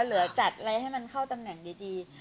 เหลือจัดอะไรให้มันเข้าตำแหน่งดี